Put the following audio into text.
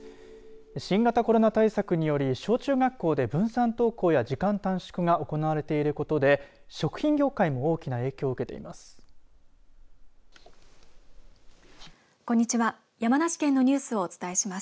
新型コロナ対策により小中学校で分散登校や時間短縮が行われていることで食品業界も大きな影響を受けています。